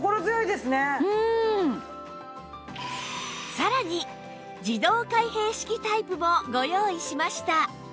さらに自動開閉式タイプもご用意しました